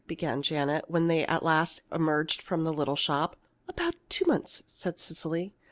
began Janet, when at last they emerged from the little shop. "About two months," said Cecily.